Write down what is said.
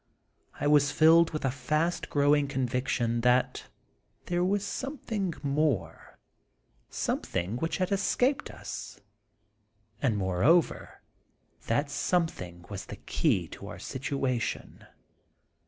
I 24 The Untold Sequel of was filled with a fast growing conviction that there was something more^ something which had escaped us, and, moreover, that that " something " was the key to the situ ation.